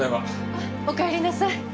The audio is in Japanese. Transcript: あっおかえりなさい。